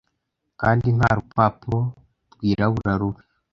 kandi nta rupapuro rwirabura rubi